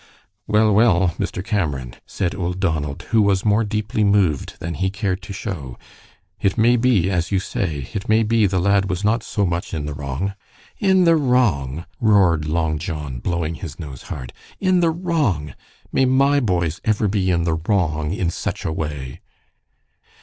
"Well, well, Mr. Cameron," said old Donald, who was more deeply moved than he cared to show, "it maybe as you say. It maybe the lad was not so much in the wrong." "In the wrong?" roared Long John, blowing his nose hard. "In the wrong? May my boys ever be in the wrong in such a way!"